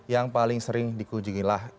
yang paling sering dikunjungilah